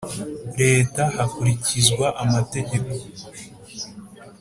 Leta hakurikizwa amategeko .